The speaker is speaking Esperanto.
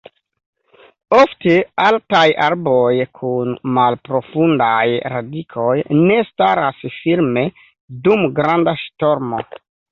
Ofte altaj arboj kun malprofundaj radikoj ne staras firme dum granda ŝtormo.